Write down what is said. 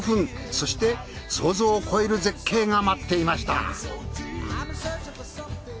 そして想像を超える絶景が待っていました。